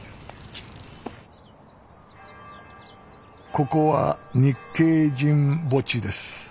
ここは日系人墓地です。